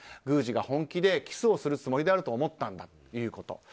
宮司が本気でキスつもりであると思ったんだということ。